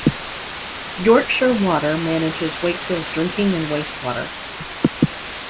Yorkshire Water manages Wakefield's drinking and waste water.